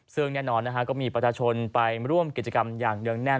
ซึ่งแน่นอนก็มีประชาชนไปร่วมกิจกรรมอย่างเนื่องแน่น